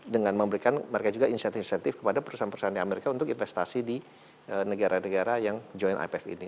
dengan memberikan mereka juga insentif insentif kepada perusahaan perusahaan di amerika untuk investasi di negara negara yang joint ipf ini